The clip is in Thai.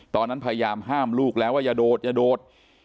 ตอนนั้นพยายามห้ามลูกแล้วว่าอย่าโดดอย่าโดด